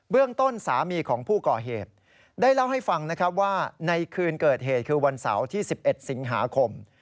เรื่องต้นสามีของผู้ก่อเหตุได้เล่าให้ฟังนะครับว่าในคืนเกิดเหตุคือวันเสาร์ที่๑๑สิงหาคม